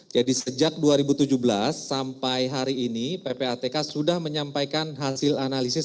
jadi sejak dua ribu tujuh belas sampai hari ini ppatk sudah menyampaikan hasil analisis